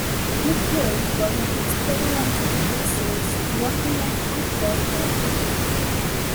Michels was an experimental physicist, working in high pressure physics.